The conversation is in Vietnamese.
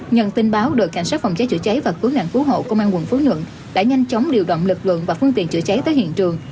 nhận tin báo đội cảnh sát phòng cháy chữa cháy và cứu nạn cứu hộ công an quận phú nhuận đã nhanh chóng điều động lực lượng và phương tiện chữa cháy tới hiện trường